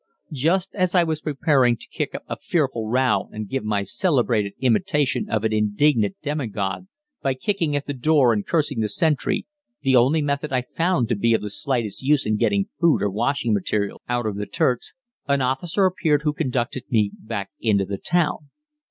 Just as I was preparing to kick up a fearful row and give my celebrated imitation of an indignant demi god by kicking at the door and cursing the sentry, the only method I found to be of the slightest use in getting food or washing materials out of the Turks, an officer appeared who conducted me back into the town.